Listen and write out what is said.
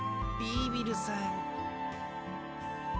ビービルさん。